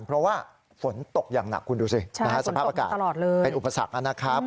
เพราะว่าฝนตกอย่างหนักคุณดูสิสภาพอากาศเป็นอุปสรรคนะครับ